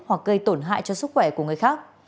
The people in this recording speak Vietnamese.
hoặc gây tổn hại cho sức khỏe của người khác